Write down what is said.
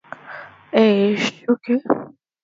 The school soon became the focus of community events.